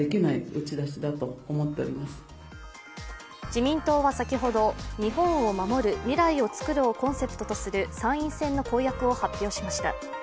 自民党は先ほど、日本を守る未来を創るをコンセプトとする参院選の公約を発表しました。